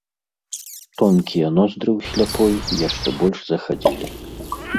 Тонкія ноздры ў сляпой яшчэ больш захадзілі.